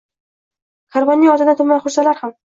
Karvoning ortidan tinmay xursalar ham!